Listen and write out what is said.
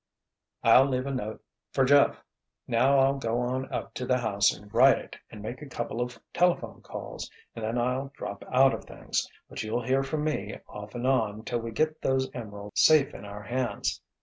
I'll leave a note for Jeff. Now I'll go on up to the house and write it and make a couple of telephone calls—and then I'll drop out of things—but you'll hear from me off and on till we get those emeralds safe in our hands.